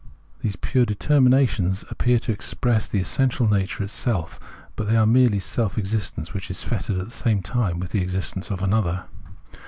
These pure deter minations appear to express the essential nature itself ; but they are merely a self existence which is fettered at the same time with existence for an other.